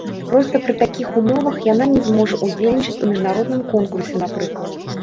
Проста пры такіх умовах яна не зможа ўдзельнічаць у міжнародным конкурсе, напрыклад.